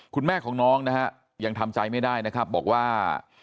คุณแม่ของน้องนะฮะยังทำใจไม่ได้นะครับบอกว่า